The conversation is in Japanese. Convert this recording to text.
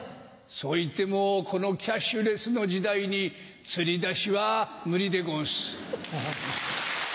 そう言ってもこのキャッシュレスの時代にツリダシは無理でごんす。